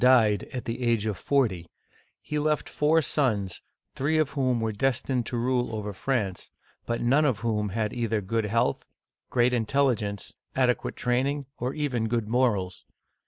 died, at the age of forty, he left four sons, three of whom were destined to rule over France, but none of whom had either good health, great intel ligence, adequate training, or even good morals.